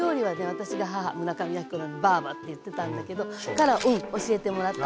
私が母村上昭子ばぁばって言ってたんだけどから教えてもらった。